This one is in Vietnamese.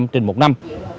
trên một năm